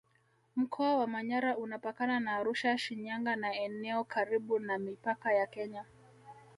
Mkoa wa Manyara unapakana na Arusha Shinyanga na eneo karibu na mipaka ya Kenya